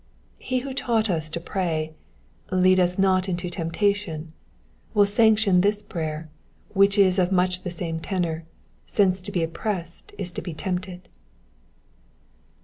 He who taught us to pray, " Lead us not into temptation, will sanction this prayer, which is of much the same tenor, since to be oppressed is to be tempted.